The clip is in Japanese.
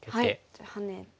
じゃあハネて。